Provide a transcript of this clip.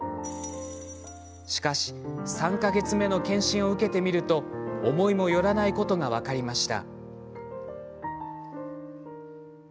しかし、３か月目の健診を受けてみると思いもよらないことが分かりました。